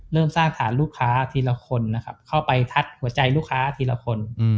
เริ่มสร้างฐานลูกค้าทีละคนนะครับเข้าไปทัดหัวใจลูกค้าทีละคน